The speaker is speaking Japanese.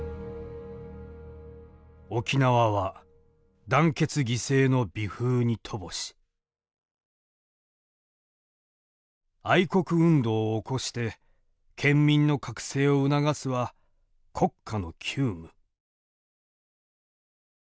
「沖縄は団結犠牲の美風に乏し愛国運動を起こして県民の覚醒を促すは刻下の急務」。